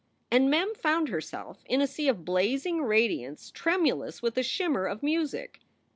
And Mem found herself in a sea of blazing radiance trem ulous with a shimmer of music.